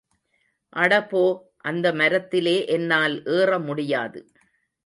அட போ, அந்த மரத்திலே என்னால் ஏற முடியாது.